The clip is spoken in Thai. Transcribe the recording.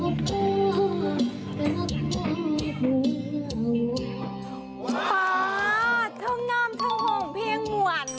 อุ๊ยอีหลาเป็นเพราะ